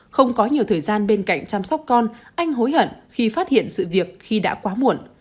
không có nhiều thời gian bên cạnh chăm sóc con anh hối hận khi phát hiện sự việc khi đã quá muộn